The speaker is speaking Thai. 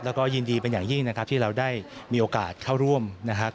แล้วก็ยินดีเป็นอย่างยิ่งนะครับที่เราได้มีโอกาสเข้าร่วมนะครับ